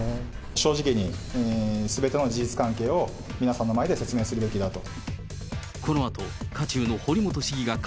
正直にすべての事実関係を皆さんの前で説明するべきだと。